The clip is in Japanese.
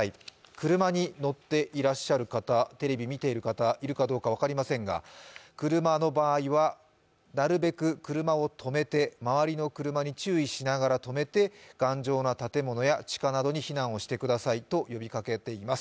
車に乗っていらっしゃる方、テレビを見ている方いるかどうか分かりませんが、車の場合はなるべく周りの車に注意しながら止めて頑丈な建物や地下などに避難をしてくださいと呼びかけています。